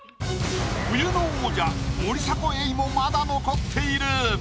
冬の王者森迫永依もまだ残っている。